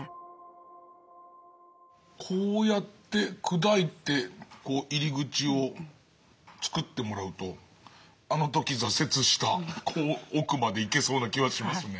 こうやって砕いて入り口を作ってもらうとあの時挫折した奥まで行けそうな気はしますね。